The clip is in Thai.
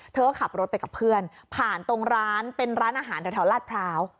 เธอก็ขับรถไปกับเพื่อนผ่านตรงร้านเป็นร้านอาหารแถวลาดพร้าว